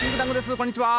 こんにちは。